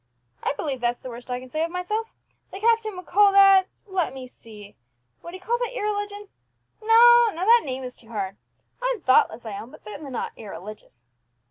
I believe that's the worst I can say of myself. The captain would call that let me see would he call that irreligion? No, no; that name is too hard. I'm thoughtless, I own, but certainly not irreligious.